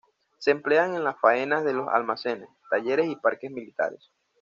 Se emplean en las faenas de los almacenes, talleres y parques militares.